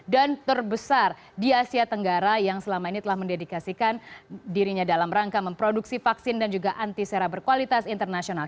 terbesar di asia tenggara yang selama ini telah mendedikasikan dirinya dalam rangka memproduksi vaksin dan juga antisera berkualitas internasional